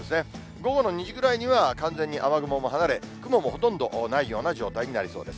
午後の２時ぐらいには完全に雨雲も離れ、雲もほとんどないような状態になりそうです。